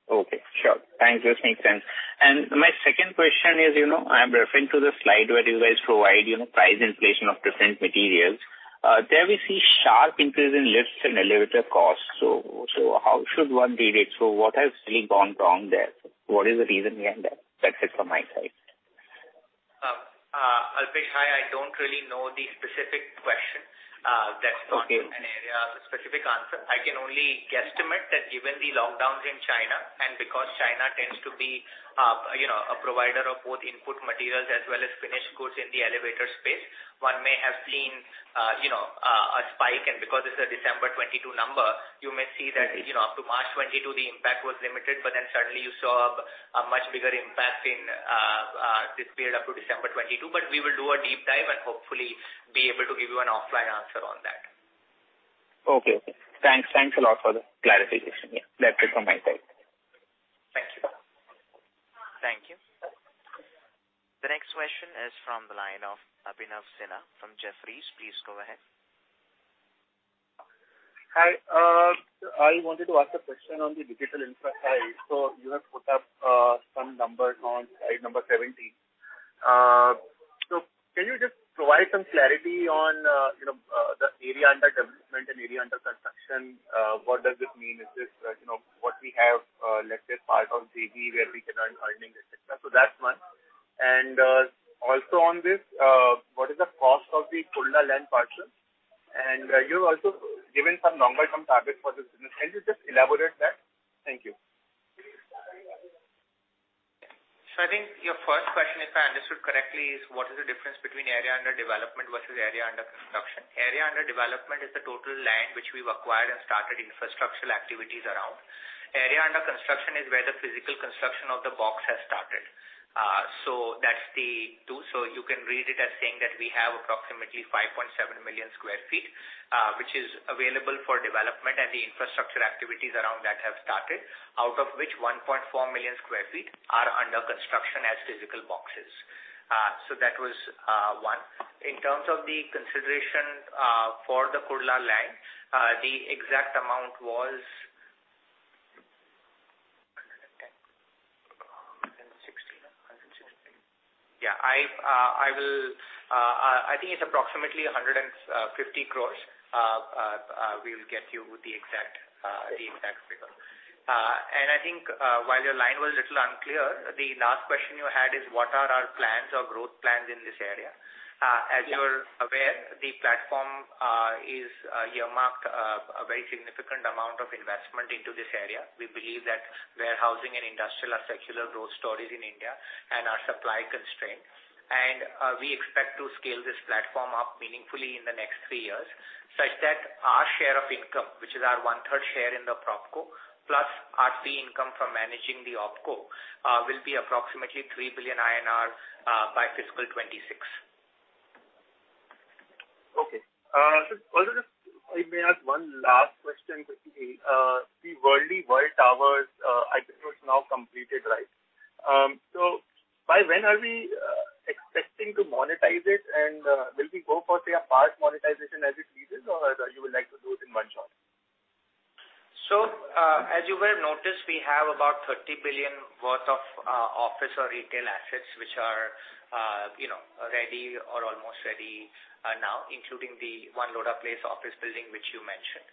Okay, sure. Thanks. This makes sense. My second question is, you know, I'm referring to the slide where you guys provide, you know, price inflation of different materials. There we see sharp increase in lifts and elevator costs. How should one read it? What has really gone wrong there? What is the reason behind that? That's it from my side. Alpesh, I don't really know the specific question. Okay. That's not an area of a specific answer. I can only guesstimate that given the lockdowns in China, and because China tends to be, you know, a provider of both input materials as well as finished goods in the elevator space, one may have seen, you know, a spike. Because it's a December 2022 number, you may see that... Mm-hmm. you know, up to March 2022 the impact was limited, but then suddenly you saw a much bigger impact in this period up to December 2022. We will do a deep dive and hopefully be able to give you an offline answer on that. Okay. Thanks. Thanks a lot for the clarification. Yeah, that's it from my side. Thank you. Thank you. The next question is from the line of Abhinav Sinha from Jefferies. Please go ahead. Hi. I wanted to ask a question on the digital infra side. You have put up some numbers on Slide number 70. Can you just provide some clarity on, you know, the area under development and area under construction? What does this mean? Is this, you know, what we have, let's say part of JV where we can earn earnings, et cetera. That's one. Also on this, what is the cost of the Kurla land parcel? You've also given some number, some target for this business. Can you just elaborate that? Thank you. I think your first question, if I understood correctly, is what is the difference between area under development versus area under construction. Area under development is the total land which we've acquired and started infrastructural activities around. Area under construction is where the physical construction of the box has started. That's the two. You can read it as saying that we have approximately 5.7 million sq ft, which is available for development and the infrastructure activities around that have started, out of which 1.4 million sq ft are under construction as physical boxes. That was one. In terms of the consideration for the Kurla land, the exact amount was...I think it's approximately 150 crores. We will get you the exact, the exact figure. And I think, while your line was a little unclear, the last question you had is what are our plans or growth plans in this area? Yes. as you're aware, the platform, you marked a very significant amount of investment into this area. We believe that warehousing and industrial are secular growth stories in India and are supply constrained. We expect to scale this platform up meaningfully in the next three years, such that our share of income, which is our 1/3 share in the PropCo plus our fee income from managing the OpCo, will be approximately 3 billion INR by fiscal 2026. Okay. Also just if I may ask one last question quickly. The Worli World Towers, I think it was now completed, right? By when are we expecting to monetize it? Will we go for say a part monetization as it leases or you would like to do it in one shot? As you would have noticed, we have about 30 billion worth of office or retail assets which are, you know, ready or almost ready now, including the One Lodha Place office building which you mentioned.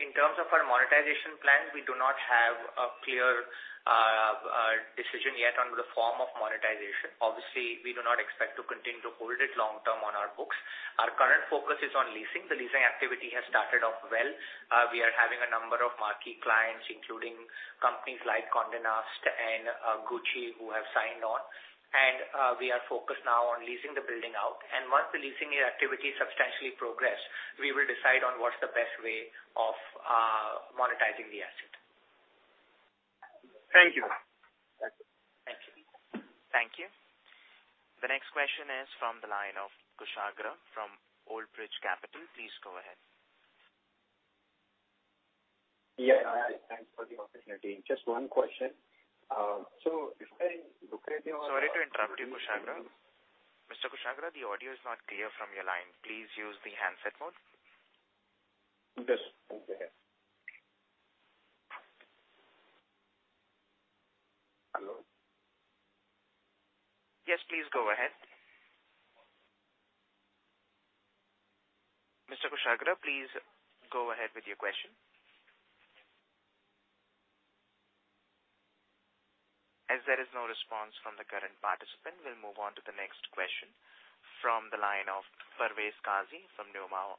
In terms of our monetization plan, we do not have a clear decision yet on the form of monetization. Obviously, we do not expect to continue to hold it long term on our books. Our current focus is on leasing. The leasing activity has started off well. We are having a number of marquee clients, including companies like Condé Nast and Gucci who have signed on. We are focused now on leasing the building out. Once the leasing activity substantially progress, we will decide on what's the best way of monetizing the asset. Thank you. Thank you. Thank you. The next question is from the line of Kushagra from Old Bridge Capital. Please go ahead. Yeah, hi. Thanks for the opportunity. Just one question. If I look at. Sorry to interrupt you, Kushagra. Mr. Kushagra, the audio is not clear from your line. Please use the handset mode. Yes. One second. Hello. Yes, please go ahead. Mr. Kushagra, please go ahead with your question. As there is no response from the current participant, we'll move on to the next question from the line of Parvez Qazi from Nuvama.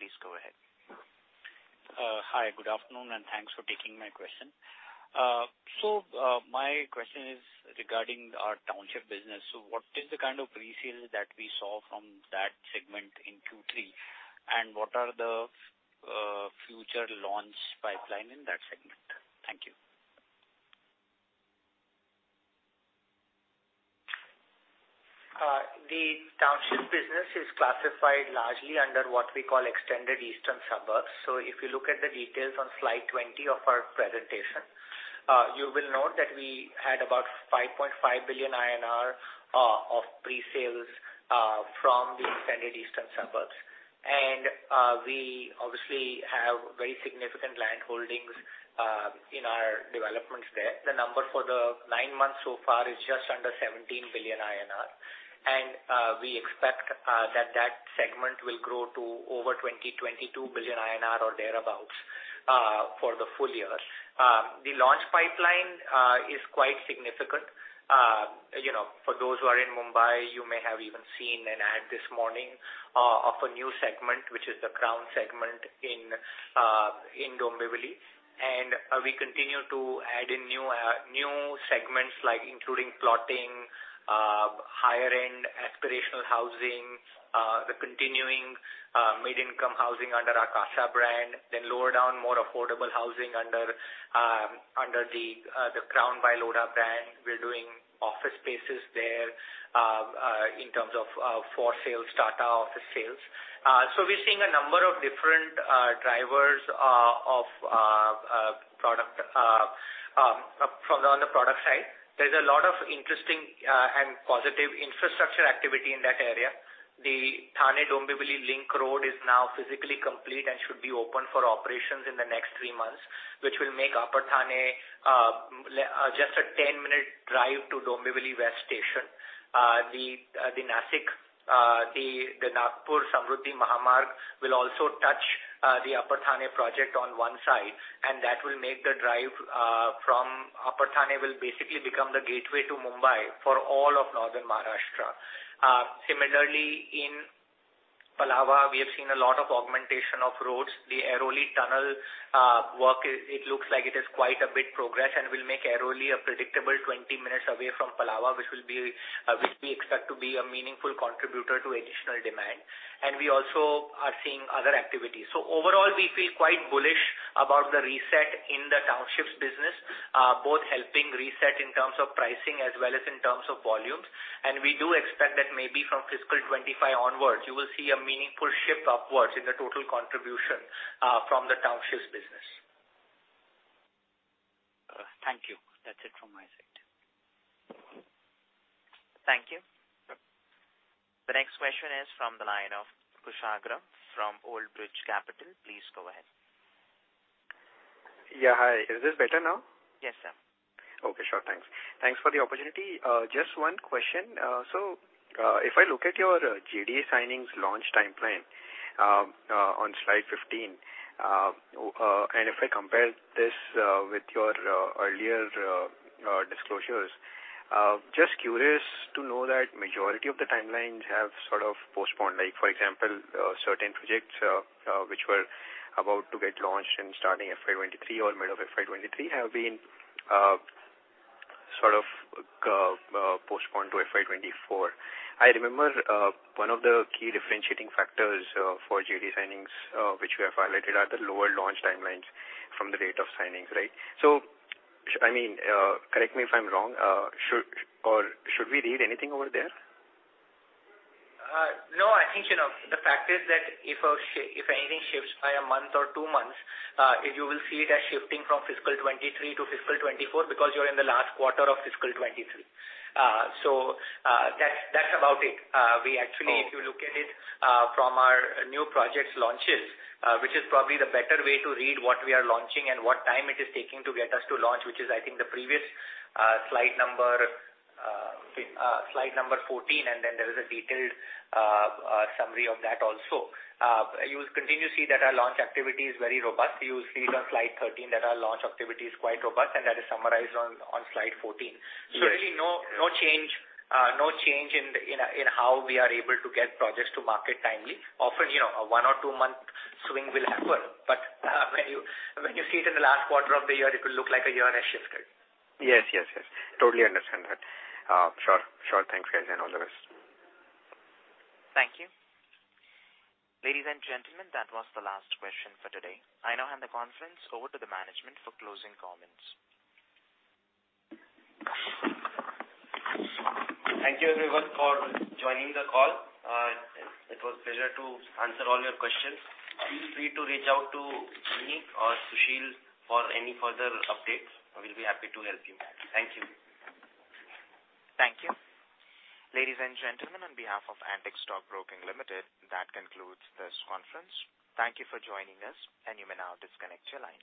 Please go ahead. Hi, good afternoon, and thanks for taking my question. My question is regarding our township business. What is the kind of presales that we saw from that segment in Q3? What are the future launch pipeline in that segment? Thank you. The township business is classified largely under what we call extended eastern suburbs. If you look at the details on Slide 20 of our presentation, you will note that we had about 5.5 billion INR of presales from the extended eastern suburbs. We obviously have very significant landholdings in our developments there. The number for the nine months so far is just under 17 billion INR. We expect that that segment will grow to over 20 billion-22 billion INR or thereabouts for the full year. The launch pipeline is quite significant. You know, for those who are in Mumbai, you may have even seen an ad this morning of a new segment, which is the Crown segment in Dombivli. We continue to add in new segments like including plotting, higher-end aspirational housing, the continuing, mid-income housing under our CASA brand, then lower down more affordable housing under the Crown by Lodha brand. We're doing office spaces there, in terms of, for sale, starter office sales. So we're seeing a number of different, drivers, of, product, from the on the product side. There's a lot of interesting, and positive infrastructure activity in that area. The Thane-Dombivli link road is now physically complete and should be open for operations in the next three months, which will make Upper Thane, just a 10-minute drive to Dombivli West station. The Nashik, the Nagpur Samruddhi Mahamarg will also touch the Upper Thane project on 1 side, and that will make the drive from Upper Thane will basically become the gateway to Mumbai for all of Northern Maharashtra. Similarly, in Palava, we have seen a lot of augmentation of roads. The Airoli tunnel work, it looks like it is quite a bit progress and will make Airoli a predictable 20 minutes away from Palava, which will be which we expect to be a meaningful contributor to additional demand. We also are seeing other activities. Overall, we feel quite bullish about the reset in the townships business, both helping reset in terms of pricing as well as in terms of volumes. We do expect that maybe from fiscal 25 onwards, you will see a meaningful shift upwards in the total contribution from the townships business. Thank you. That's it from my side. Thank you. The next question is from the line of Kushagra from Old Bridge Capital. Please go ahead. Yeah. Hi. Is this better now? Yes, sir. Okay, sure. Thanks. Thanks for the opportunity. Just one question. If I look at your GDA signings launch timeline, on Slide 15, and if I compare this with your earlier disclosures, just curious to know that majority of the timelines have sort of postponed. Like for example, certain projects which were about to get launched in starting FY23 or mid of FY23 have been sort of postponed to FY24. I remember, one of the key differentiating factors for JD signings, which we have highlighted are the lower launch timelines from the date of signings, right? I mean, correct me if I'm wrong, should we read anything over there? No, I think, you know, the fact is that if anything shifts by a month or two months, you will see it as shifting from fiscal 2023 to fiscal 2024 because you're in the last quarter of fiscal 2023. That's, that's about it. We actually- Oh. If you look at it from our new projects launches, which is probably the better way to read what we are launching and what time it is taking to get us to launch, which is I think the previous, slide number, Slide number 14. There is a detailed summary of that also. You will continue to see that our launch activity is very robust. You will see it on Slide 13 that our launch activity is quite robust. That is summarized on Slide 14. Yes. Really no change, no change in how we are able to get projects to market timely. Often, you know, a one or two-month swing will happen, but, when you see it in the last quarter of the year, it will look like a year-end shift. Yes, yes. Totally understand that. Sure. Sure. Thanks, guys, and all the best. Thank you. Ladies and gentlemen, that was the last question for today. I now hand the conference over to the management for closing comments. Thank you everyone for joining the call. It was pleasure to answer all your questions. Feel free to reach out to me or Sushil for any further updates. We'll be happy to help you. Thank you. Thank you. Ladies and gentlemen, on behalf of Antique Stock Broking Limited, that concludes this conference. Thank you for joining us, and you may now disconnect your lines.